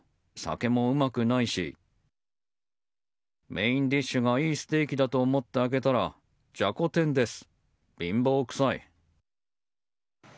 メインディッシュがいいステーキだと思って開けたらじゃこ天です。